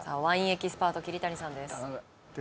エキスパート桐谷さんです